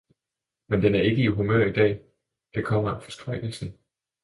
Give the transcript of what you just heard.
men den er ikke i humør i dag, det kommer af forskrækkelsen.